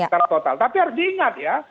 tetapi harus diingat ya